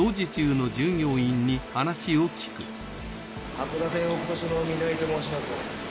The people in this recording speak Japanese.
函館北斗署の南井と申します。